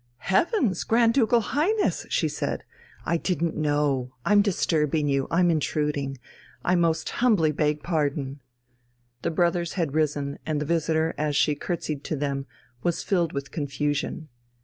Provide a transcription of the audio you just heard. "Heavens, Grand Ducal Highness," she said, "I didn't know; I'm disturbing you, I'm intruding. I most humbly beg pardon!" The brothers had risen, and the visitor, as she curtseyed to them, was filled with confusion.